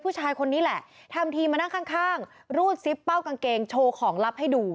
ผู้ชายคนนี้แหละทำทีมานั่งข้างข้างรูดซิปเป้ากางเกงโชว์ของลับให้ดู